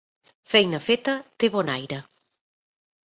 Feina feta té bon aire.